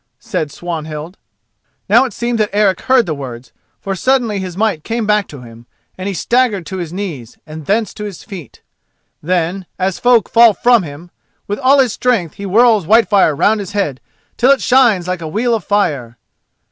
said Swanhild. Now it seemed that Eric heard the words, for suddenly his might came back to him, and he staggered to his knees and thence to his feet. Then, as folk fall from him, with all his strength he whirls Whitefire round his head till it shines like a wheel of fire.